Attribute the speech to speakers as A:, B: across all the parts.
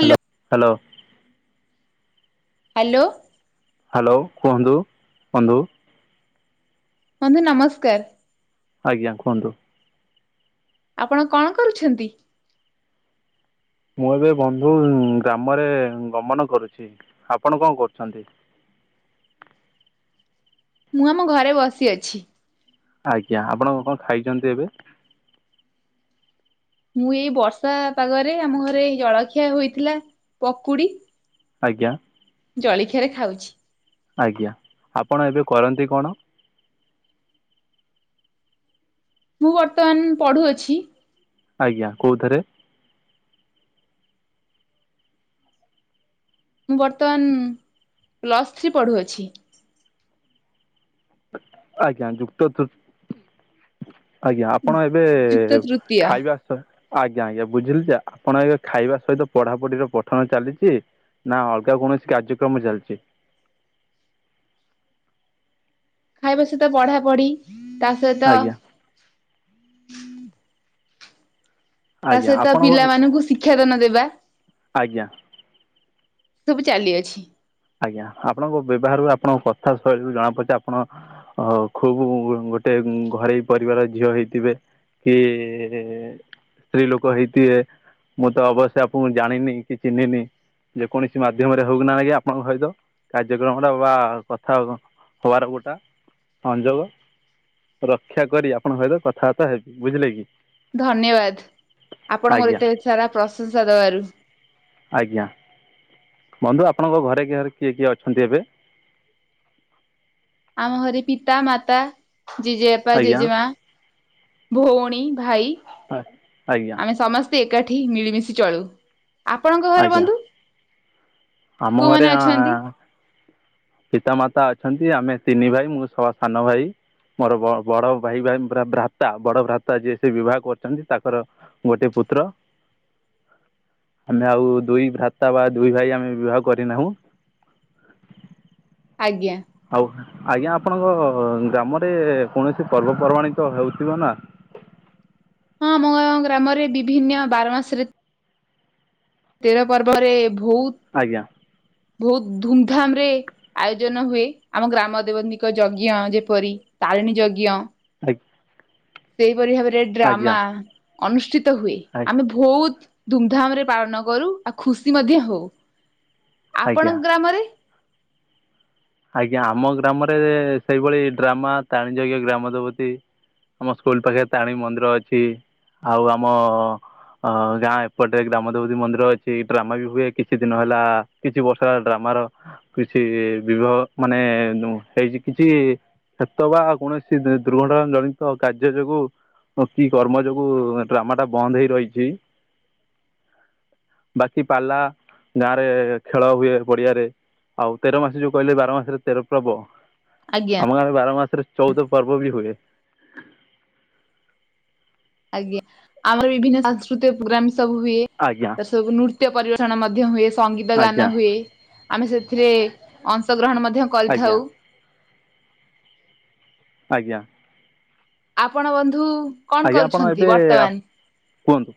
A: Hello hello.
B: Hello.
A: Hello କୁହନ୍ତୁ ବନ୍ଧୁ-
B: ବନ୍ଧୁ ନମସ୍କାର।
A: ଆଜ୍ଞା କୁହନ୍ତୁ?
B: ଆପଣ କଣ କରୁଛନ୍ତି।
A: ମୁଁ ଏବେ ବନ୍ଧୁ ଗ୍ରାମରେ ଗମନ କରୁଛି ଆପଣ କଣ କରୁଛନ୍ତି।
B: ମୁଁ ଆମ ଘରେ ବସି ଅଛି।
A: ଆଜ୍ଞା ଆପଣ କଣ ଖାଇଛନ୍ତି ଏବେ?
B: ମୁଁ ଏଇ ବର୍ଷା ପାଗରେ ଆମ ଘରେ ଏଇ ଜଳଖିଆ ହୋଇଥିଲା ପକୁଡି
A: ଆଜ୍ଞା।
B: ଜଳଖିଆରେ ଖାଉଛି।
A: ଆଜ୍ଞା ଆପଣ ଏବେ କରନ୍ତି କଣ?
B: ମୁଁ ବର୍ତ୍ତମାନ ପଢୁଅଛି।
A: ଆଜ୍ଞା କୋଉଥରେ
B: ମୁଁ ବର୍ତ୍ତମାନ ପ୍ଲସ୍ ଥ୍ରୀ ପଢ଼ୁଅଛି।
A: ଆଜ୍ଞା ଯୁକ୍ତ ତୁ ଆଜ୍ଞା ଆପଣ ଏବେ
B: ଯୁକ୍ତ ତୃତୀୟ
A: ଖାଇବା ଆଜ୍ଞା ଆଜ୍ଞା ବୁଝିଲି ଯେ ଆପଣ ଏ ଖାଇବା ସହିତ ପଢାପଢିର ପଠନ ଚାଲିଛି। ନା ଅଲଗା କୌଣସି କାର୍ଯ୍ୟକ୍ରମ ଚାଲିଛି।
B: ଖାଇବା ସହିତ ପଢା ପଢି ତା ସହିତ
A: ଆଜ୍ଞା
B: ତା
A: ଆଜ୍ଞା
B: ସହିତ
A: ଆପଣଙ୍କ
B: ପିଲାମାନଙ୍କୁ ଶିକ୍ଷାଦାନ ଦେବା।
A: ଆଜ୍ଞା।
B: ସବୁ ଚାଲିଅଛି।
A: ଆଜ୍ଞା ଆପଣଙ୍କ ବ୍ୟବହାରରୁ ଆପଣଙ୍କ କଥା ଶୈଳୀରୁ ଜଣା ପଡୁଛି ଆପଣ ହ ଖୁବ ଗୋଟେ ଘରେୋଇ ପରିବାର ଝିଅ ହେଇଥିବେ। କି ସ୍ତ୍ରୀ ଲୋକ ହେଇଥେ ମୁଁ ତ ଅବଶ୍ୟ ଆପଣଙ୍କୁ ଜାଣିନି କି ଚିହ୍ନିନି ଯେକୌଣସି ମାଧ୍ୟମରେ ହଉ କି ନା ଆଜ୍ଞା ସହିତ କାର୍ଯ୍ୟକ୍ରମ ଟ ବା କଥା ହବାର ଗୋଟା ସଂଯୋଗ ରକ୍ଷା କରି ଆପଣଙ୍କ ସହିତ କଥାବାର୍ତ୍ତା ହେବି ବୁଝିଲେ କି
B: ଧନ୍ୟବାଦ ଆପଣ ମୋର
A: ଆଜ୍ଞା
B: ଏତେ ସାରା ପ୍ରଶଂସା ଦବାରୁ
A: ଆଜ୍ଞା। ବନ୍ଧୁ ଆପଣଙ୍କ ଘରେ କି ଘରେ କିଏ କିଏ ଅଛନ୍ତି ଏବେ
B: ଆମ ଘରେ ପିତା ମାତା ଜେଜେବାପା
A: ଆଜ୍ଞା
B: ଜେଜେମା। ଭଉଣୀ ଭାଇ
A: ହ ଆଜ୍ଞା।
B: ଆମେ ସମସ୍ତେ ଏକାଠି ମିଳିମିଶି ଚଳୁ ଆପଣଙ୍କ ଘରେ
A: ଆଜ୍ଞା
B: ବନ୍ଧୁ
A: ଆମ ଘରେ
B: କୋଉମାନେ
A: ଆ
B: ଅଛନ୍ତି?
A: ପିତାମାତା ଅଛନ୍ତି ଆମେ ତିନି ଭାଇ ମୁଁ ସାନ ଭାଇ ମୋର ବଡ ଭାଇାଇ ଭ୍ରାତା ବଡ ଭ୍ରାତା ଯିଏ ସେ ବିବାହ କରଛନ୍ତି ତାଙ୍କର ଗୋଟେ ପୁତ୍ର ମାନେ ଆଉ ଦୁଇ ଭ୍ରାତା ବା ଦୁଇ ଭାଇ ଆମେ ବିବାହ କରିନାହୁଁ।
B: ଆଜ୍ଞା।
A: ଆଉ ଆଜ୍ଞା ଆପଣଙ୍କ ଗ୍ରାମରେ କୌଣସି ପର୍ବପର୍ବାଣ ତ ହେଉଥିବ ନା?
B: ହଁ ଆମ ଗ୍ରାମରେ ବିଭିନ୍ନ ବାର ମାସରେ ତେର ପର୍ବରେ ବହୁତ
A: ଆଜ୍ଞା
B: ବହୁତ ଧୁମଧାମ ରେ ଆୟୋଜନ ହୁଏ ଆମ ଗ୍ରାମ ଦେବୀଙ୍କ ଯଜ୍ଞ ଯେପରି ତାରିଣୀ ଯଜ୍ଞ।
A: ଆଜ୍ଞା
B: ସେଇପରି ଭାବରେ ଡ୍ରାମା ଅନୁଷ୍ଠିତ ହୁଏ ଆମେ ବହୁତ। ଧୁମଧାମ ରେ ପାଳନ କରୁ ଆଉ ଖୁସି ମଧ୍ୟ ହଉ
A: ଆଜ୍ଞା
B: ଆପଣଙ୍କ ଗ୍ରାମରେ
A: ଆଜ୍ଞା ଆମ ଗ୍ରାମରେ ସେଇଭଳି ଡ୍ରାମା ତାଣିଯଜ୍ଞ ଗ୍ରାମ ଦେବତୀ ଆମ ସ୍କୁଲ ପାଖରେ ତରିଣୀ ମନ୍ଦିର ଅଛି ଆଉ ଆମ ଅ ଗାଁ ଏପଟେ ଗ୍ରାମଦେବତୀ ମନ୍ଦିର ଅଛି ଡ୍ରାମା ବି ହୁଏ କିଛି ଦିନ ହେଲା। କିଛି ବର୍ଷା ଡ୍ରାମାର କିଛି ବିବାହ ମାନେ ହେଇଛି କିଛି କେତ ବା କୌଣସି ଦୁର୍ଘଟଣା ଜନିତ କାର୍ଯ୍ୟ ଯୋଗୁ କି କର୍ମ ଯୋଗୁ ଡ୍ରାମା ଟା ବନ୍ଦ ହେଇ ରହିଛି। ବାକି ପାଲା ଗାଁରେ ଖେଳ ହୁଏ ପଡିଆରେ ଆଉ ତେର ମାସ ଯୋଉ କହିଲେ ବାର ମାସରେ ତେର ପର୍ବ।
B: ଆଜ୍ଞା
A: ଆମ ଗାଁରେ ବାର ମାସରେ ଚଉଦ ପର୍ବ ବି ହୁଏ।
B: ଆଜ୍ଞା ଆମର ବିଭିନ୍ନ ସାଂସ୍କୃତିକ ପ୍ରୋଗ୍ରାମ ସବୁ ହୁଏ।
A: ଆଜ୍ଞା
B: ତା ସବୁ ନୃତ୍ୟ ପରିବେଷଣ ମଧ୍ୟ ହୁଏ ସଙ୍ଗୀତ ଗାନ
A: ଆଜ୍ଞା
B: ହୁଏ। ଆମେ ସେଥିରେ ଅଂଶଗ୍ରହଣ ମଧ୍ୟ
A: ଆଜ୍ଞା
B: କରିଥାଉ।
A: ଆଜ୍ଞା
B: ଆପଣ ବନ୍ଧୁ କଣ
A: ଆଜ୍ଞା ଆପଣ
B: କରୁଛନ୍ତି
A: ଏବେ
B: ବର୍ତ୍ତମାନ।
A: କୁହନ୍ତୁ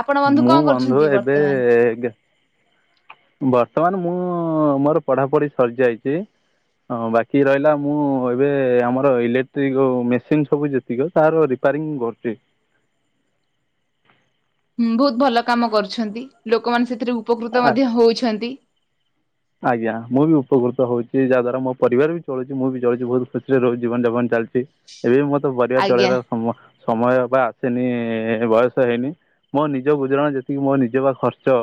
B: ଆପଣ ବନ୍ଧୁ କଣ
A: ମୁଁ ବନ୍ଧୁ
B: କରୁଛନ୍ତି
A: ଏବେ
B: ବର୍ତ୍ତମାନ?
A: ବର୍ତ୍ତମାନ ମୁଁ ମୋର ପଢାପଢି ସରିଯାଇଛି। ହଁ ବାକି ରହିଲା ମୁଁ ଏବେ ଆମର ଇଲେକ୍ଟ୍ରିକ ମେସିନ ସବୁ ଯେ ତାର ରିପ୍ୟାରିଙ୍ଗ କରୁଛି।
B: ହୁଁ ବହୁତ ଭଲ କାମ କରୁଛନ୍ତି ଲୋକମାନେ ସେଥିରେ ଉପକୃତ ମଧ୍ୟ ହଉଛନ୍ତି।
A: ଆଜ୍ଞା ମୁଁ ବି ଉପକୃତ ହଉଛି ଯାହା ଦ୍ୱାରା ମୋ ପରିବାର ବି ଚଳୁଛି ମୁଁ ବି ଚଳୁଛି ବହୁତ ଖୁସିରେ ରହୁଛି ଜୀବନ ଯାପନ ଚାଲିଛି। ଏବେ ମତେ ପରିବାର
B: ଆଜ୍ଞା।
A: ଚଳେଇବାର ସମ ସମୟ ବା ଆସେନି ବୟସ ହେଇନି। ମୋ ନିଜ ଗୁଜୁରାଣ ଯେତିକି ମୋ ନିଜ ବା ଖର୍ଚ୍ଚ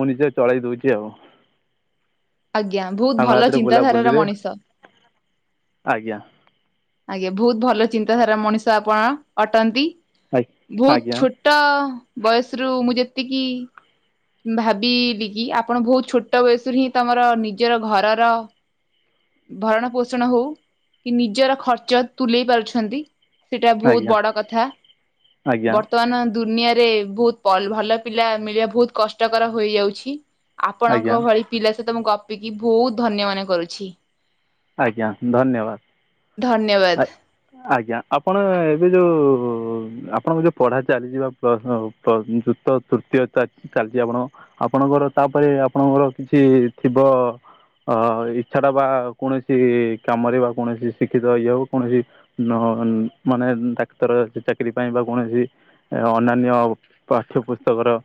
A: ମୁଁ ନିଜେ ଚଳେଇ ଦଉଛି ଆଉ।
B: ଆଜ୍ଞା ବହୁତ
A: ସାଙ୍ଗ
B: ଭଲ
A: ହାତରେ
B: ଚିନ୍ତାଧାରାର
A: ବୁଲାବୁଲିରେ
B: ମଣିଷ।
A: ଆଜ୍ଞା
B: ଆଜ୍ଞା ବହୁତ ଭଲ ଚିନ୍ତାଧାରା ମଣିଷ ଆପଣ ଅଟନ୍ତି
A: ଆ-
B: ବହୁତ
A: ଆଜ୍ଞା
B: ଛୋ ଛୋଟ ବୟସରୁୁ ମୁଁ ଯେତିକି ଭାବିଲି କି ଆପଣ ବହୁତ ଛୋଟ ବୟସରୁ ହିଁ ତମର ନିଜର ଘରର ଭରଣ ପୋଷଣ ହଉ କି ନିଜର ଖର୍ଚ୍ଚ ତୁଲେଇ ପାରୁଛନ୍ତି। ସେଟା ବହୁତ
A: ଆଜ୍ଞା
B: ବଡ କଥା
A: ଆଜ୍ଞା
B: ବର୍ତ୍ତମାନ ଦୁନିଆରେ ବହୁତ ଭଲ ପିଲା ମିଳିବା ବହୁତ କଷ୍ଟକର ହୋଇଯାଉଛି
A: ଆଜ୍ଞା
B: ଆପଣଙ୍କ ଭଳି ପିଲା ସହିତ ମୁ ଗପିକି ବହୁତ ଧନ୍ୟ ମନେ କରୁଛି।
A: ଆଜ୍ଞା ଧନ୍ୟବାଦ
B: ଧନ୍ୟବାଦ
A: ଆ- ଆଜ୍ଞା ଆପଣ ଏବେ ଯୋଉ ଆପଣଙ୍କ ଯଉ ପଢ଼ା ଚାଲିଛି ବା ପ୍ଲସ୍ ତ ଯୁକ୍ତ ତୃତୀୟ ଚାଲିଛି ଆପଣଙ୍କ ଆପଣଙ୍କର ତାପରେ ଆପଣଙ୍କର କିଛି ଥିବ ଅ ଇଚ୍ଛା ଟା ବା କୌଣସି କାମରେ ବା କୌଣସି ଶିକ୍ଷିତ ଇଏ ହଉ କୌଣସି ନା ମାନେ ଡାକ୍ତର ଚାକିରୀ ପାଇଁ ବା କୌଣସି ଅନ୍ୟାନ୍ୟ ପାଠ୍ୟପୁସ୍ତକର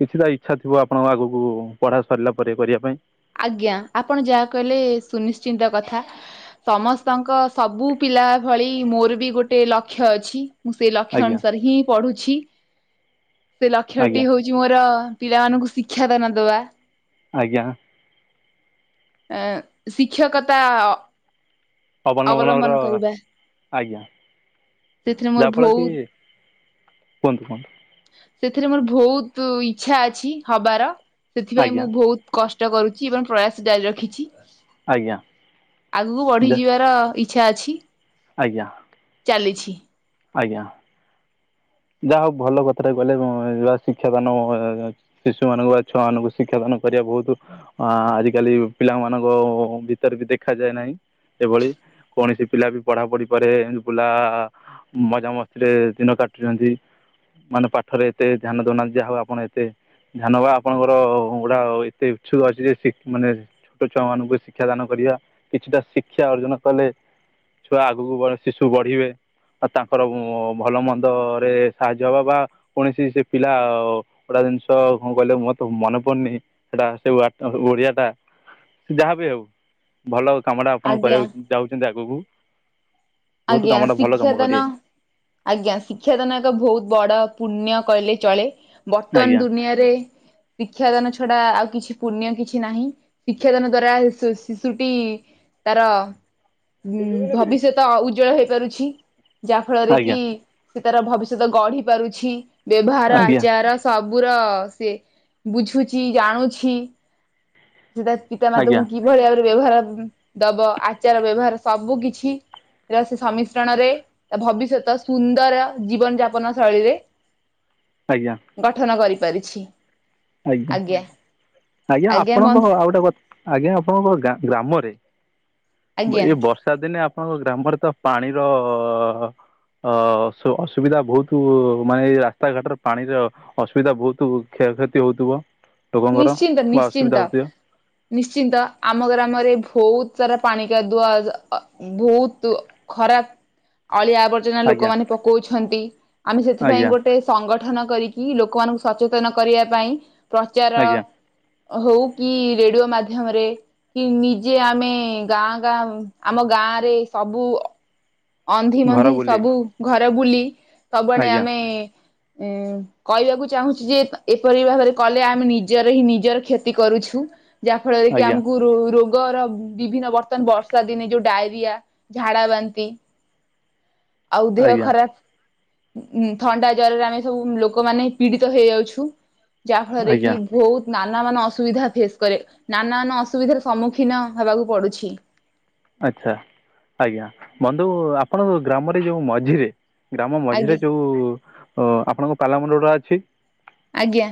A: କିଛି ତ ଇଚ୍ଛା ଥିବ ଆପଣଙ୍କ ଆଗକୁ ପଢ଼ା ସରିଲା ପରେ କରିବା ପାଇଁ?
B: ଆଜ୍ଞା ଆପଣ ଯାହା କହିଲେ ସୁନିଶ୍ଚିନ୍ତ କଥା। ସମସ୍ତଙ୍କ ସବୁ ପିଲା ଭଳି ମୋର ବି ଗୋଟେ ଲକ୍ଷ୍ୟ ଅଛି ମୁଁ ସେଇ ଲକ୍ଷ୍ୟ
A: ଆଜ୍ଞା
B: ଅନୁସାରେ ହିଁ ପଢ଼ୁଛି ସେ
A: ଆଜ୍ଞା
B: ଲକ୍ଷ୍ୟଟି ହଉଛି ଚି ମୋର ପିଲାମାନଙ୍କୁ ଶିକ୍ଷା ଦାନ ଦେବା।
A: ଆଜ୍ଞା।
B: ଅ ଶିକ୍ଷକତା
A: ଅବଲମ୍ବନର
B: ଅବଲମ୍ବନ କରିବା
A: ଆଜ୍ଞା
B: ସେଥିରେ ମୋର
A: ଯାହାଫଳରେ କି
B: ଭଉ
A: କୁହନ୍ତୁ କୁହନ୍ତୁ।
B: ସେଥିରେ ମୋର ଭଉତ ଇଚ୍ଛା ଅଛି ହବାର ସେଥିପାଇଁ
A: ଆଜ୍ଞା
B: ମୁଁ ଭଉତ କଷ୍ଟ କରୁଛି ଏବଂ ପ୍ରୟାସ ଜାରି ରଖିଛି
A: ଆଜ୍ଞା
B: ଆଗକୁ ବଢ଼ି
A: ଯା
B: ଯିବାର ଇଚ୍ଛା ଅଛି।
A: ଆଜ୍ଞା।
B: ଚାଲିଛି।
A: ଆଜ୍ଞା ଯାହା ହଉ ଭଲ କଥାଟା କହିଲେ ଏବଂ ଶିକ୍ଷାଦାନ ଶିଶୁ ମାନଙ୍କୁ ବା ଛୁଆ ମାନଙ୍କୁ ଶିକ୍ଷାଦାନ କରିବା ବହୁତ ଆ ଆଜିକାଲି ପିଲାମାନଙ୍କ ଭିତରେ ବି ଦେଖାଯାଏ ନାହିଁ। ସେଭଳି କୌଣସି ପିଲା ବି ପଢ଼ା ପଢି଼ ପରେ ବୁଲା ମଜା ମସ୍ତିରେ ଦିନ କାଟୁଛନ୍ତି। ମାନେ ପାଠରେ ଏତେ ଧ୍ୟାନ ଦଉନାହାନ୍ତି ଯାହା ହଉ ଆପଣ ଏତେ ଧ୍ୟାନ ବା ଆପଣଙ୍କର ଗୁଡ଼ା ଏତେ ଉତ୍ସୁକ ଅଛି ଯେ ସେ ମାନେ ଛୋଟ ଛୁଆମାନଙ୍କୁ ଶିକ୍ଷା ଦାନ କରିବା କିଛିଟା ଶିକ୍ଷା ଅର୍ଜନ କଲେ ଛୁଆ ଆଗକୁ ବ ଶିଶୁ ବଢ଼ିବେ। ତାଙ୍କର ଭଲ ମନ୍ଦରେ ସାହାଯ୍ୟ ହବା ବା ପୁଣି ସେଇ ସେ ପିଲା ଗୋଟା ଜିନିଷ କଣ କହିଲେ ମୋର ତ ମନେ ପଡ଼ୁନି ସେଟା ସେ ୱର୍ଡ ଟା ଓଡି଼ଆ ଟା ସେ ଯାହା ବି ହଉ ଭଲ କାମଟା ଆପଣ
B: ଆଜ୍ଞା
A: କରିବାକୁ ଯାଉଛନ୍ତି ଆଗକୁ। ବହୁତ
B: ଆଜ୍ଞା
A: କାମଟା ଭଲ କାମ
B: ଶିକ୍ଷାଦାନ
A: କରିବେ
B: ଆଜ୍ଞା ଶିକ୍ଷାଦାନ ଏକ ବହୁତ ବଡ଼ ପୁଣ୍ୟ କହିଲେ ଚଳେ। ବର୍ତ୍ତମାନ
A: ଆଜ୍ଞା
B: ଦୁନିଆରେ ଶିକ୍ଷାଦାନ ଛଡ଼ା ଆଉ କିଛି ପୁଣ୍ୟ କିଛି ନାହିଁ ଶିକ୍ଷାଦାନ ଦ୍ଵାରା ଶିଶୁଟି ତାର ଉ ଭବିଷ୍ୟତ ଉଜ୍ଜଳ ହେଇପାରୁଛି ଯାହା ଫଳରେ କି
A: ଆଜ୍ଞା
B: ସେ ତାର ଭବିଷ୍ୟତ ଗଢି଼ ପାରୁଛି ବ୍ୟବହାର
A: ଆଜ୍ଞା
B: ଆଚାର ସବୁର ସିଏ ବୁଝୁଛି ଜାଣୁଛି ସିଏ ତା ପିତା ମାତାଙ୍କୁ
A: ଆଜ୍ଞା
B: କିଭଳି ଭାବରେ ବ୍ୟବହାର ଦବ ଆଚାର ବ୍ୟବହାର ସବୁ କିଛି ସେ ସମ୍ମିଶ୍ରଣରେ ତା ଭବିଷ୍ୟତ ସୁନ୍ଦର ଜୀବନ ଯାପନ ଶୈଳୀରେ। [inaudible]
A: ଆଜ୍ଞା।
B: ଗଠନ କରିପାରିଛି।
A: ଆଜ୍ଞା ଆଜ୍ଞା ଆପଣଙ୍କ ଆଉ ଗୋଟେ କଥା ଆଜ୍ଞା ଆପଣଙ୍କ ଗ୍ରାମରେ ଏ
B: ଆଜ୍ଞା
A: ବର୍ଷ ବର୍ଷା ଦିନେ ଆପଣଙ୍କ ଗ୍ରାମରେ ତ ପାଣିର ଅ ଅସୁବିଧା ବହୁତ ମାନେ ଏ ରାସ୍ତାଘାଟରେ ପାଣିର ଅସୁବିଧା ବହୁତ କ୍ଷୟକ୍ଷତି ହୋଉଥିବ?
B: ନିଶ୍ଚିନ୍ତ ନିଶ୍ଚିନ୍ତ। ନିଶ୍ଚିନ୍ତ ଆମ ଗ୍ରାମରେ ଭୋହୁତ ସାରା ପାଣିି କାଦୁଅ ଜ ଅ ବୋହୁତ ଅ ଖରାପ ଅଳିଆ ଆବର୍ଜନା
A: ଆଜ୍ଞା
B: ଲୋକମାନେ ପକଉଛନ୍ତି ଆମେ ସେଥିପାଇଁ
A: ଆଜ୍ଞା
B: ଗୋଟେ ସଂଗଠନ କରିକି ଲୋକମାନଙ୍କୁ ସଚେତନ କରିଆ ପାଇଁ ଚାର
A: ଆଜ୍ଞା
B: ହଉ କି ରେଡୁଅ ମାଧ୍ୟମରେ କି ନିଜେ ଆମେ ଗାଁ ଗାଁ ଉଁ ଆମ ଗାଁରେ ସବୁ ଅ ଅନ୍ଧି
A: ଘର
B: ମନ୍ଧି
A: ବୁଲି
B: ସବୁ ଘର ବୁଲି ସବୁଆଡେ
A: ଆଜ୍ଞା
B: ଆମେ ଏଁ କଇବାକୁ ଚାହୁଁଛି ଯେ ପ ଏପରି ଭାବରେ କଲେ ଆମେ ନିଜର ହିଁ ନିଜର କ୍ଷତି କରୁଛୁ। ଯା ଫଳରେ କି
A: ଆଜ୍ଞା
B: ଆମୁକୁ ରୁ ରୋଉ ଗର ବି ଭିନ୍ନ ବର୍ତ୍ତମାନ ବର୍ଷାଦିନେ ଯୋଉ ଡାଇରିଆ ଝାଡାବାନ୍ତି ଆଉ ଦେହ
A: ଆଜ୍ଞା
B: ଖରାପ୍ ଉଁ ଉଁ ଥଣ୍ଡା ଜରରେ ଆମେ ସବୁ ଉଁ ଲୋକମାନେ ପୀଡିତ ହେଇଯାଉଛୁ ଯା ଫଳରେ
A: ଆଜ୍ଞା
B: କି ବୋହୁତ ନାନା ମାନ ଅସୁବିଧା ଫେସ୍ କରିଆ ନାନା ମାନ ଅସୁବିଧାର ସମ୍ମୁଖୀନ ହେବାକୁ ପଡୁଛି।
A: ଆଚ୍ଛା ଆଜ୍ଞା ବନ୍ଧୁ ଆପଣଙ୍କ ଗ୍ରାମରେ ଯୋଉ ମଝିରେ ଗ୍ରାମ
B: ଆଜ୍ଞା
A: ମଝିରେ ଯୋଉ ଅ ଆପଣଙ୍କ ପାଲାମଣ୍ଡପଟା ଅଛି।
B: ଆଜ୍ଞା।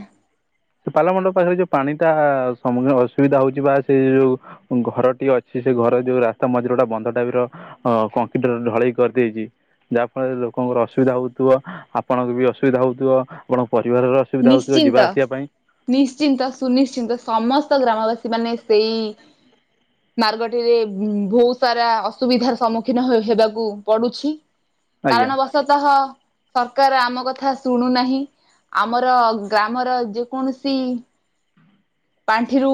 A: ସେ ପାଲାମଣ୍ଡପ ପାଖରେ ଯୋଉ ପାଣିଟା ସମୁତକ ଅସୁବିଦା ହଉଛି ବା ସେ ଯୋଉ ଘରଟି ଅଛି ସେ ଘର ଯୋଉ ରା ସ୍ତା ମଝିରେ ଗୋଟା ବନ୍ଧ ଟାଇପର ଅ କଂକ୍ରିଟର ଢଳେଇ କରିଦେଇଚି। ଯା ଫଳରେ ଲୋକଙ୍କର ଅସୁବିଧା ହଉଥୁବ ଆପଣଙ୍କୁ ବି ଅସୁବିଧା ହଉଥିବ ଆପଣ ପରିବାରର ଅ
B: ନିଶ୍ଚିନ୍ତ। ନିଶ୍ଚିନ୍ତ ସୁନିଶ୍ଚିନ୍ତ ସମସ୍ତ ଗ୍ରାମବାସୀମାନେ ସେଇ ମାର୍ଗଟିରେ ଉଁ ବୋହୁତ ସାରା ଅସୁବିଧାର ସମ୍ମୁଖୀନ ହ ହେବାକୁ ପଡୁଛି।
A: ଆଜ୍ଞା
B: କାରଣବଶତଃ ସରକାର ଆମ କଥା ଶୁଣୁନାହିଁ। ଆମର ଗ୍ରାମର ଯେକୌଣସି ପାଣ୍ଠିରୁ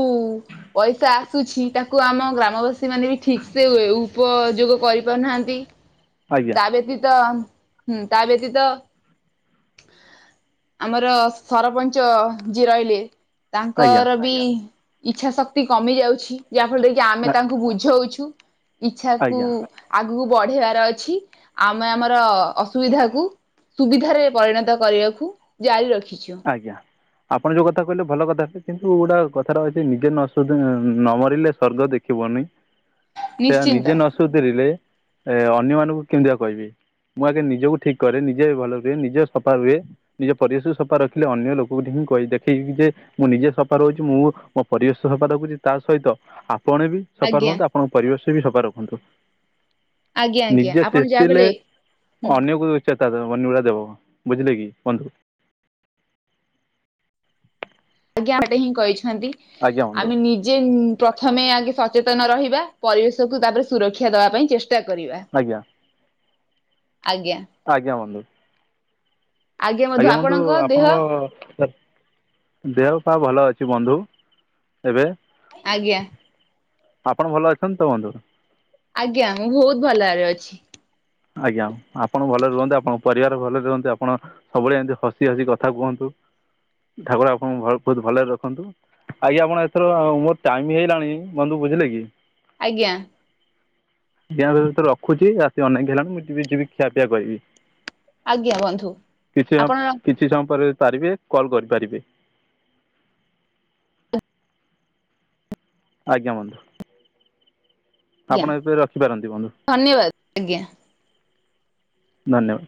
B: ପଇସା ଆସୁଛି ତାକୁ ଆମ ଗ୍ରାମବାସୀ ମାନେ ବି ଠିକ୍ ସେ ଏ ଉପଯୋଗ କରିପାରୁନାହାନ୍ତି।
A: ଆଗ୍
B: ବେତୀତ ହୁଁ ତା ବେତୀତ ଆମର ସରପଞ୍ଚ ଯିଏ ରଇଲେ
A: ଆଜ୍ଞା
B: ତାଙ୍କର ବି ଇଚ୍ଛା ଶକ୍ତି କମି ଯାଉଛି। ଯାଫଳରେ କି ଆମେ ତାକୁ ବୁଝଉଛୁ ଇଚ୍ଛାକୁ
A: ଆଜ୍ଞା
B: ଆଗୁକୁ ବଢେଇବାର ଅଛି ଆମେ ଆମର ଅସୁବିଧାକୁ ସୁବିଧାରେ ପରିଣତ କରିବାଖୁ ଜାରି ରଖିଛୁ।
A: ଆଜ୍ଞା। ଆପଣ ଯୋଉ କଥା କହିଲେ ଭଲ କଥା ଯେ କିନ୍ତୁ ଗୋଟା କଥାରେ ଅଛି ନିଜେ ନ ସୁଧୁ ଉଁ ନ ମରିଲେ ସ୍ଵର୍ଗ ଦେଖିବନି।
B: [inaudible]
A: ସେ ଆ
B: ନିଶ୍ଚିନ୍ତ।
A: ନିଜେ ନ ସୁଧୁରିଲେ ଏ ଅନ୍ୟମାନୁଙ୍କୁ କିମିତି ବା କହିବି। ମୁଁ ଆଗେ ନିଜକୁ ଠିକ୍ କରେ ନିଜେ ଭଲରେ ରୁଏ ନିଜେ ସପା ରୁଏ ନିଜ ପରିବେଶକୁ ସପା ର ଖିଲେ ଅନ୍ୟଲୋକୁକୁ ଧିଁ କଇ ଦେଖେଇବି ଯେ ମୁଁ ନିଜେ ସଫା ରହୁଚି ମୁଁ ମୋ ପରିବେଶ ସଫା ରଖୁଚି ତା ସହିତ ଆପଣ ବି ସଫା
B: ଆଜ୍ଞା
A: ରୁହନ୍ତୁ ଆପଣଙ୍କ ପରିବେଶ ବି ସଫା ରଖନ୍ତୁ।
B: ଆଜ୍ଞା ଆଜ୍ଞା
A: ନିଜେ
B: ଆପଣ ଯାହା
A: ଚେତିଲେ
B: କହିଲେ ହୁଁ।
A: ଅନ୍ୟକୁ ଚେତାଦବ ବନି ଭଳିଆ ଦେବ ବୁଝିଲେ କି ବନ୍ଧୁ। [inaudible]
B: ଆଜ୍ଞା ସେଟା ହିଁ କହିଛନ୍ତି,
A: ଆଜ୍ଞା ବନ୍ଧୁ
B: ଆମେ ନିଜେ ଇଁ, ପ୍ରଥମେ ଆଗେ ସଚେତନ ରହିବା। ପରିବେଶକୁ ତାପରେ ସୁରକ୍ଷା ଦବା ପାଇଁ ଚେଷ୍ଟା କରିବା।
A: ଆଜ୍ଞା।
B: ଆଜ୍ଞା।
A: ଆଜ୍ଞା ବନ୍ଧୁ। ଆଜ୍ଞା ବନ୍ଧୁ ଆପଣଙ୍କ [unintelligible] ଦେହ ପା ଭଲ ଅଛି ବନ୍ଧୁ ଏବେ।
B: ଆଜ୍ଞା।
A: ଆପଣ ଭଲ ଅଛନ୍ତି ତ ବନ୍ଧୁ?
B: ଆଜ୍ଞା, ମୁଁ ବହୁତ ଭଲରେ ଅଛି।
A: ଆଜ୍ଞା ଆପଣ ଭଲରେ ରୁହନ୍ତି, ଆପଣଙ୍କ ପରିବାର ଭଲରେ ରୁହନ୍ତି, ଆପଣ ସବୁବେଳେ ଏମିତି ହସି ହସି କଥା କୁହନ୍ତୁ। ଠାକୁର ଆପଣଙ୍କୁ ଭଉ ବହୁତ ଭଲରେ ରଖନ୍ତୁ। ଆଜ୍ଞା ଆପଣ ଏଥର ମୋର ଟାଇମ୍ ହେଇଗଲାଣି, ବନ୍ଧୁ ବୁଝିଲେ କି
B: ଆଜ୍ଞା।
A: [unintelligible] ରଖୁଛି ରାତି ଅନେକ ହେଲାଣି। ମୁି ଯିବି ଯିବି ଖିଆ ପିଆ କରିବି।
B: ଆଜ୍ଞା ବନ୍ଧୁ ଆପଣ
A: ଛି ସମୟ ପରେ ଯଦି ପାରିବେ କଲ୍ କରିପାରିବେ। ଆଜ୍ଞା ବନ୍ଧୁ।
B: ଆଜ୍ଞା
A: ଆପଣ ଏବେ ରଖିପାରନ୍ତି ବନ୍ଧୁ,
B: ଧନ୍ୟବାଦ ଆଜ୍ଞା।
A: ଧନ୍ୟବାଦ।